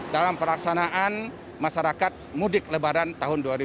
dalam perlaksanaan masyarakat mudik lebaran tahun dua ribu dua puluh dua ini